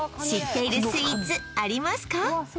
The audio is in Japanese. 知っているスイーツありますか？